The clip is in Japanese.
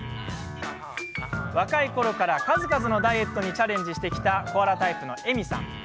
若いころから数々のダイエットにチャレンジしてきたコアラタイプの、えみさん。